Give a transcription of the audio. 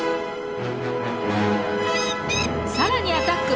さらにアタック。